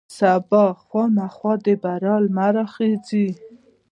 سبا به خامخا د بریا لمر راخیژي.